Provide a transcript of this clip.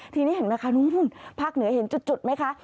นี่เห็นไหมคะภาคเหนือเห็นจุดไหมคะ